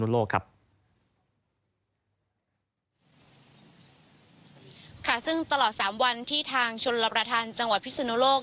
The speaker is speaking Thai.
ทางชนรบรทันของจังหวัดพริศนโลก